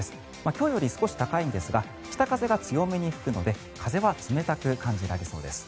今日より少し高いんですが北風が強めに吹くので風は冷たく感じられそうです。